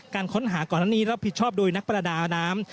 การค้นหาก่อนอันนี้รับผิดชอบโดยนักประดาน้ำ